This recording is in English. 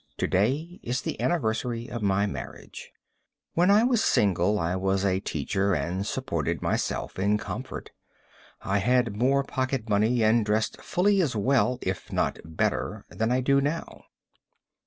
To day is the anniversary of my marriage. When I was single I was a teacher and supported myself in comfort. I had more pocket money and dressed fully as well if not better than I do now.